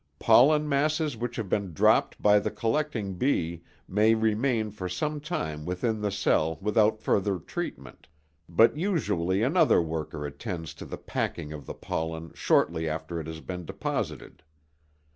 Pollen masses which have been dropped by the collecting bee may remain for some time within the cell without further treatment, but usually another worker attends to the packing of the pollen shortly after it has been deposited.